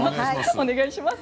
お願いします。